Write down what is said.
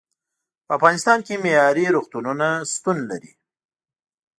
په افغانستان کې معیارې روغتونونه شتون لري.